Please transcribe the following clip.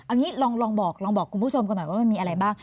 เอางี้ลองบอกลองบอกคุณผู้ชมกันหน่อยว่ามันมีอะไรบ้าง